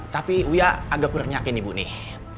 tapi uya agak bernyakin ibu nih